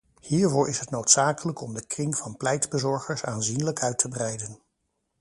Hiervoor is het noodzakelijk om de kring van pleitbezorgers aanzienlijk uit te breiden.